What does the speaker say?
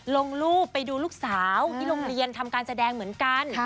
ลงรูปไปดูลูกสาวที่โรงเรียนทำการแสดงเหมือนกัน